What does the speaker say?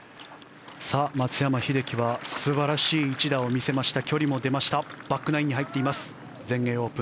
松山英樹は素晴らしい一打を見せました。